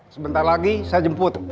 sebentar lagi saya jemput